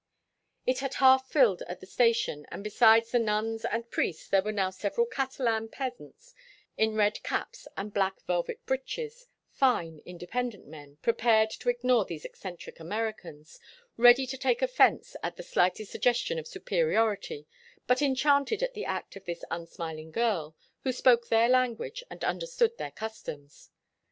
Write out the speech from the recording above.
It had half filled at the station, and besides the nuns and priests there were now several Catalan peasants in red caps and black velvet breeches, fine, independent men, prepared to ignore these eccentric Americans, ready to take offence at the slightest suggestion of superiority, but enchanted at the act of this unsmiling girl, who spoke their language and understood their customs.